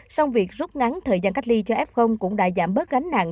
song việc rút ngắn thời gian cách ly cho f cũng đã giảm bớt gánh nặng